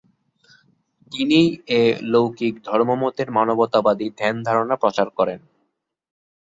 তিনিই এ লৌকিক ধর্মমতের মানবতাবাদী ধ্যানধারণা প্রচার করেন।